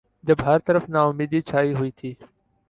جب ہر طرف ناامیدی چھائی ہوئی تھی۔